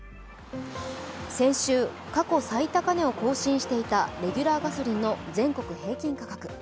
先週、過去最高値を更新していたレギュラーガソリンの全国平均価格。